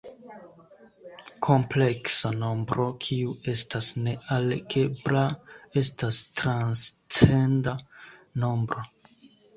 Kompleksa nombro kiu estas ne algebra estas transcenda nombro.